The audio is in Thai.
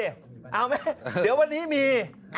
เอาไหมเดี๋ยววันนี้มี